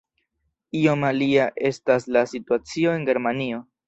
Iom alia estas la situacio en Germanio.